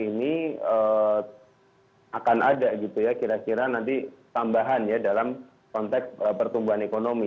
ini akan ada gitu ya kira kira nanti tambahan ya dalam konteks pertumbuhan ekonomi